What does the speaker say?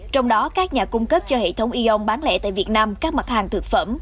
trong đó các nhà cung cấp cho hệ thống eon bán lẻ tại việt nam các mặt hàng thực phẩm